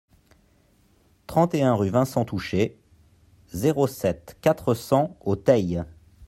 trente et un rue Vincent Touchet, zéro sept, quatre cents au Teil